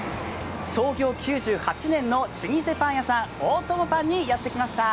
創業９８年の老舗パン屋さん、大友パンにやってきました。